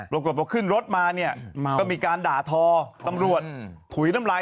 ปรากฏว่าขึ้นรถมาเนี่ยก็มีการด่าทอตำรวจถุยน้ำลาย